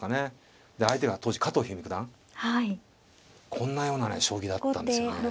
こんなようなね将棋だったんですよね